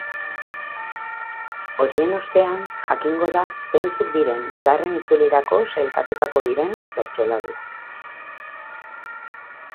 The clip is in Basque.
Horien ostean jakingo da zeintzuk diren bigarren itzulirako sailkatuko diren bertsolariak.